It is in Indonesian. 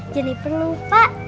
jadi perlu pak